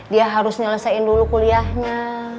dia harus menyelesaikan dulu kuliahnya